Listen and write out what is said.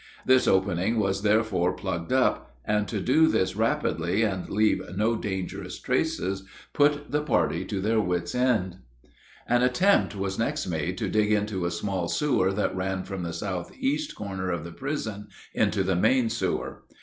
This opening was therefore plugged up; and to do this rapidly and leave no dangerous traces put the party to their wit's end. An attempt was next made to dig into a small sewer that ran from the southeast corner of the prison into the main sewer.